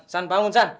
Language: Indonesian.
san bangun san